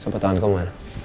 sampai tanganku ma